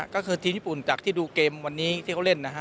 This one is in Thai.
ก็คือทีมญี่ปุ่นจากที่ดูเกมวันนี้ที่เขาเล่นนะฮะ